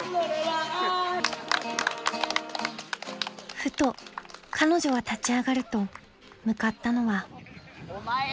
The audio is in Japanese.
［ふと彼女は立ち上がると向かったのは］お前や。